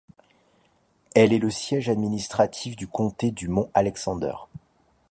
Elle est le siège administratif du comté du mont Alexander.